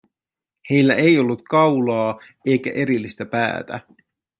Heillä ei ollut kaulaa eikä erillistä päätä.